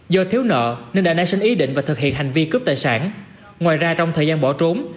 do thiếu nợ nên đã nảy sinh ý định và thực hiện hành vi cướp tài sản ngoài ra trong thời gian bỏ trốn